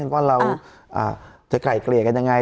ว่าเราจะไกล่เกลี่ยกันยังไง